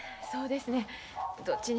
そうですねん。